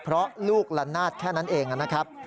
เพราะลูกละนาดแค่นั้นเองนะครับ